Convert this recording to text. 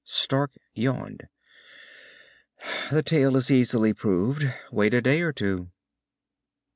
Stark yawned. "The tale is easily proved. Wait a day or two."